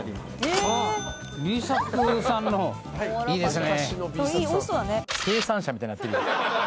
いいですね。